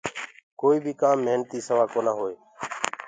ڪوئي بي ڪآم محنتي سوآ ڪونآ هوئي۔